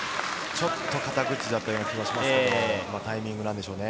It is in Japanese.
ちょっと肩口だったような気もしますけど、タイミングなんでしょうね。